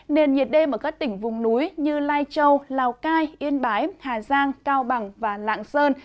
nền nhiệt đêm ở các tỉnh vùng núi như lai châu lào cai yên bái hà giang cao bằng và lạng sơn